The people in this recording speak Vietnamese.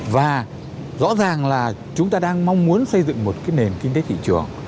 và rõ ràng là chúng ta đang mong muốn xây dựng một cái nền kinh tế thị trường